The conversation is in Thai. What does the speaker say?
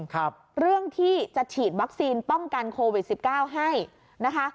ครับเรื่องที่จะฉีดวัคซีนป้องกันโควิดสิบเก้าให้นะคะ